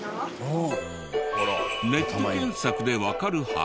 ネット検索でわかるはず。